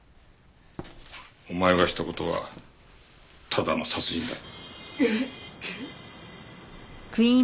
お前がした事はただの殺人だ。